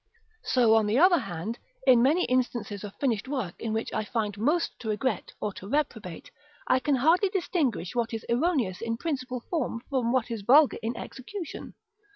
§ VI. So, on the other hand, in many instances of finished work in which I find most to regret or to reprobate, I can hardly distinguish what is erroneous in principle from what is vulgar in execution.